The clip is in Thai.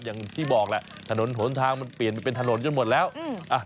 อย่างที่บอกแหละถนนหนทางมันเปลี่ยนมาเป็นถนนจนหมดแล้วอืมอ่ะ